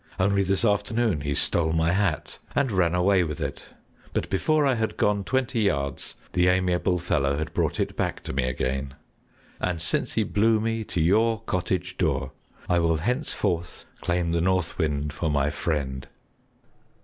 Only this afternoon he stole my hat and ran away with it, but before I had gone twenty yards, the amiable fellow had brought it back to me again. And since he blew me to your cottage door, I will henceforth claim the North Wind for my friend."